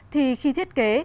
thì khi thiết kế